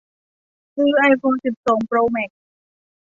ซื้อไอโฟนสิบสองโปรแม็กซ์